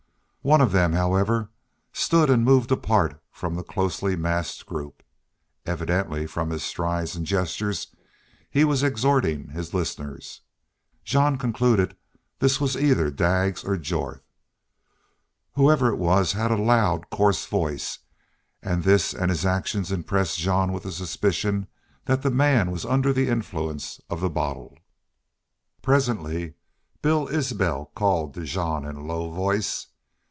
One of them, however, stood and moved apart from the closely massed group. Evidently, from his strides and gestures, he was exhorting his listeners. Jean concluded this was either Daggs or Jorth. Whoever it was had a loud, coarse voice, and this and his actions impressed Jean with a suspicion that the man was under the influence of the bottle. Presently Bill Isbel called Jean in a low voice.